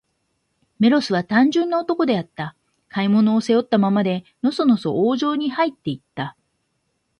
メロスは、単純な男であった。買い物を、背負ったままで、のそのそ王城にはいって行った。